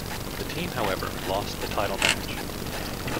The team, however, lost the title match.